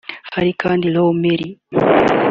Hari kandi Raw Mill